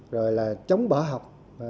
rồi là chống bỏ học